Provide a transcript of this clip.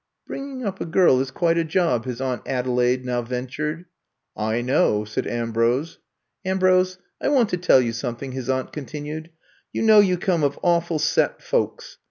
*' Bringing up a girl is quite a job,'* his Aunt Adelaide now ventured. I know, '' said Ambrose. Ambrose, I want to tell you some thing,'' his aunt continued. You know you come of awful set folks.